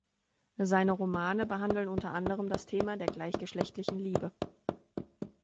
Seine Romane behandeln unter anderem das Thema der gleichgeschlechtlichen Liebe.